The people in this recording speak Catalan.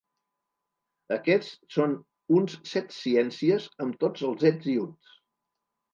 Aquests són uns set-ciències, amb tots els ets i uts.